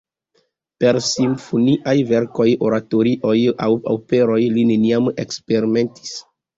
Per simfoniaj verkoj, oratorioj aŭ operoj li neniam eksperimentis.